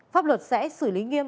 pháp luật sẽ xử lý nghiêm